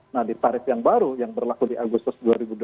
nah di tarif yang baru yang berlaku di agustus dua ribu dua puluh